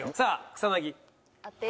草薙！